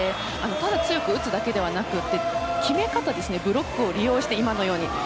ただ強く打つだけではなくて決め方、ブロックを利用して。